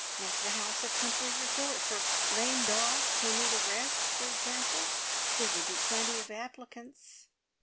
Make the house a country resort for lame dogs who need a rest, for example? There would be plenty of applicants."